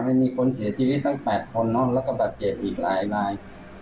ยังมีคนเสียชีวิตทั้ง๘คนเนอะแล้วก็บาดเจ็บอีกหลายนาย